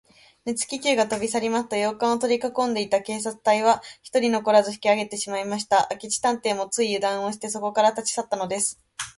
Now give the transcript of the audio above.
軽気球がとびさりますと、洋館をとりかこんでいた警官隊は、ひとり残らず引きあげてしまいました。明智探偵も、ついゆだんをして、そこを立ちさったのです。